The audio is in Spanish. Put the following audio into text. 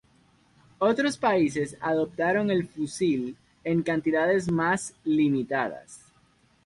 Otros países adoptaron el fusil en cantidades más limitadas.